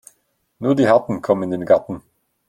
Nur die Harten kommen in den Garten.